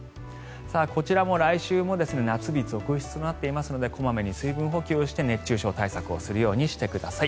こちらも、来週も夏日続出となっていますので小まめに水分補給をして熱中症対策をするようにしてください。